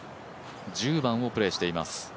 １０番をプレーしています。